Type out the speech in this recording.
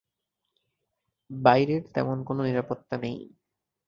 বাইরের তেমন কোনো নিরাপত্তা নেই।